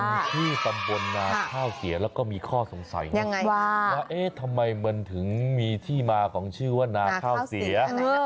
มีชื่อตำบลนาข้าวเสียแล้วก็มีข้อสงสัยนะว่าเอ๊ะทำไมมันถึงมีที่มาของชื่อว่านาข้าวเสีย